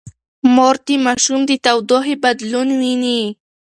مور د ماشوم د تودوخې بدلون ويني.